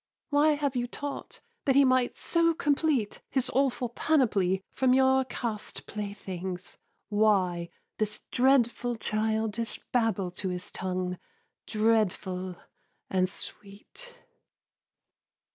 Why have you taught that he might so complete His awful panoply From your cast playthings why, This dreadful childish babble to his tongue, Dreadful and sweet?